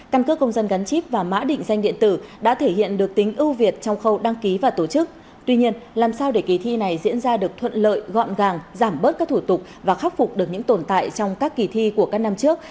căn cước công dân gắn chip và mã định danh điện tử đã thể hiện được tính ưu việt trong khâu đăng ký và tổ chức tuy nhiên làm sao để kỳ thi này diễn ra được thuận lợi gọn gàng giảm bớt các thủ tục và khắc phục được những tồn tại trong các kỳ thi của các năm trước